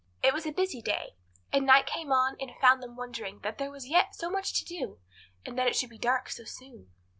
It was a busy day, and night came on and found them wondering that there was yet so much to do, and that it should be dark so soon.